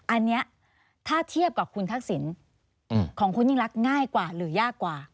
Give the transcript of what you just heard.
อันนี้ถ้าเทียบกับคุณทักษิณของคุณยิ่งรักง่ายกว่าหรือยากกว่า